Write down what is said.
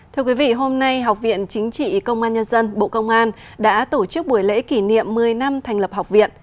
thưa quý vị hôm nay học viện chính trị công an nhân dân bộ công an đã tổ chức buổi lễ kỷ niệm một mươi năm thành lập học viện